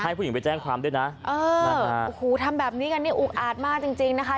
ผู้หญิงไปแจ้งความด้วยนะเออนะฮะโอ้โหทำแบบนี้กันนี่อุกอาดมากจริงจริงนะคะ